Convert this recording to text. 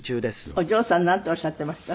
お嬢さんなんておっしゃっていました？